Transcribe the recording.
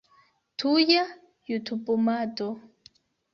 Tuja jutubumado